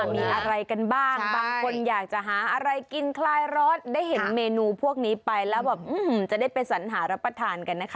มีอะไรกันบ้างบางคนอยากจะหาอะไรกินคลายร้อนได้เห็นเมนูพวกนี้ไปแล้วแบบจะได้ไปสัญหารับประทานกันนะคะ